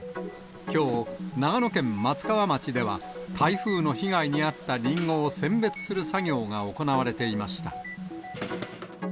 きょう、長野県松川町では、台風の被害に遭ったリンゴを選別する作業が行われていました。